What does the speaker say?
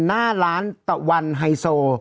หน้าร้านตะวันไฮโซ